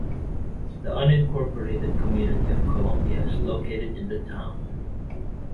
The unincorporated community of Columbia is located in the town.